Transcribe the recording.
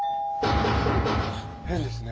・変ですね。